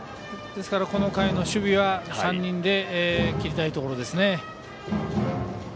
ですから、この回の守備は３人で切りたいところですね。